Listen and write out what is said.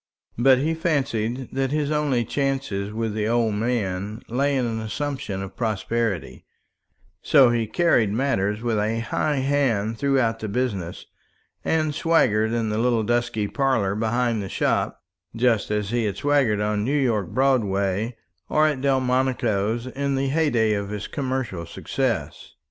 But he fancied that his only chance with the old man lay in an assumption of prosperity; so he carried matters with a high hand throughout the business, and swaggered in the little dusky parlour behind the shop just as he had swaggered on New York Broadway or at Delmonico's in the heyday of his commercial success.